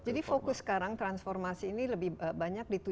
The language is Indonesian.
jadi fokus sekarang transformasi ini lebih banyak ke kualitas